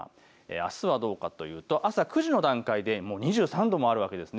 あすはどうかというと朝９時の段階で２３度もあるわけです。